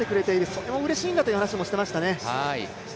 それもうれしいんだという話をしていましたね。